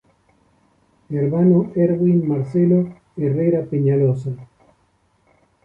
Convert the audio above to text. Hermano Erwin Marcelo Herrera Peñaloza.